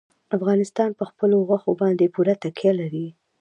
افغانستان په خپلو غوښې باندې پوره تکیه لري.